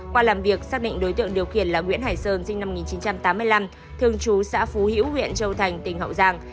qua làm việc xác định đối tượng điều khiển là nguyễn hải sơn sinh năm một nghìn chín trăm tám mươi năm thường trú xã phú hữu huyện châu thành tỉnh hậu giang